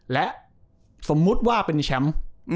และสมมุติว่าเป็นแชมป์